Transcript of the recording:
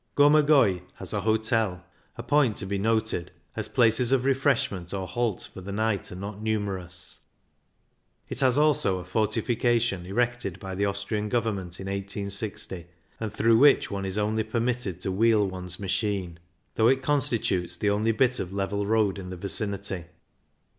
Gomagoi has an hotel, a point to be noted, as places of refreshment or halt for the night are not numerous ; it has also a forti fication erected by the Austrian Govern ment in i860, and through which one is only permitted to wheel one's machine, though it constitutes the only bit of level road in the vicinity.